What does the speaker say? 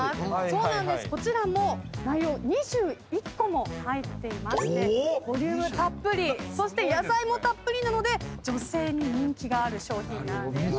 そうなんですこちらも２１個も入っていましてボリュームたっぷりそして野菜もたっぷりなので女性に人気がある商品なんです。